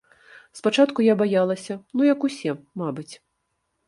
Спачатку я баялася, ну, як усе, мабыць.